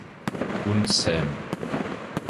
Und Sam.